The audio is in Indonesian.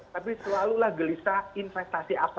tapi selalulah gelisah investasi apa